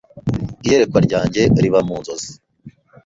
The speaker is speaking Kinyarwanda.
iyerekwa ryanjye riba mu nzozi